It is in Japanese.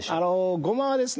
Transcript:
ごまはですね